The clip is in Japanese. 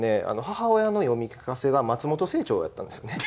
母親の読み聞かせが松本清張やったんですよね。